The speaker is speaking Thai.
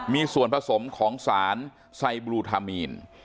มีส่วนผสมของสารไซบลูทามีน